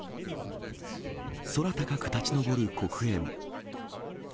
空高く立ち上る黒煙。